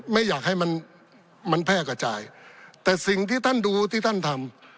ไม่อยากให้มันมันแพร่กระจายแต่สิ่งที่ท่านดูที่ท่านทำ